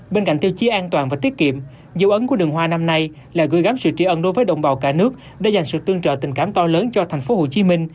bên cạnh tiêu chí an toàn và tiết kiệm dấu ấn của đường hoa năm nay là gửi gắm sự trí ân đối với đồng bào cả nước đã dành sự tương trợ tình cảm to lớn cho tp hcm